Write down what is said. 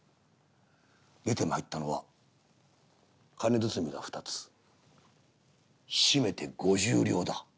出て参ったのは金包みが二つ締めて五十両だ」。